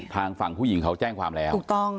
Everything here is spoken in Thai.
ทางฝั่งผู้หญิงเขาแจ้งความแล้วถูกต้อง